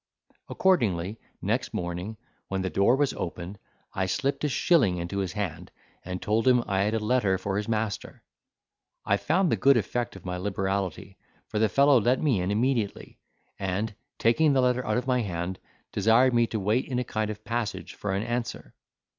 Accordingly, next morning, when the door was opened, I slipped a shilling into his hand, and told him I had a letter for his master. I found the good effect of my liberality; for the fellow let me in immediately, and, taking the letter out of my hand, desired me to wait in a kind of passage for an answer.